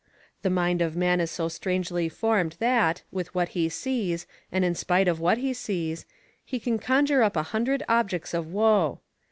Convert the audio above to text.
The mind of man is so strangely formed that, with what he sees, and in spite of what he sees, he can conjure up a hundred objects of woe.